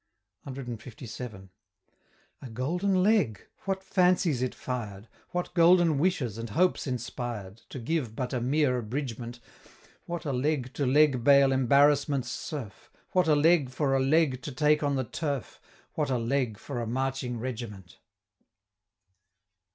CLVII. A Golden Leg! what fancies it fired! What golden wishes and hopes inspired! To give but a mere abridgment What a leg to leg bail Embarrassment's serf! What a leg for a Leg to take on the turf! What a leg for a marching regiment!